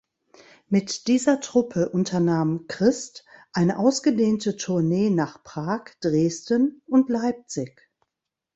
Mit dieser Truppe unternahm Christ eine ausgedehnte Tournee nach Prag, Dresden und Leipzig.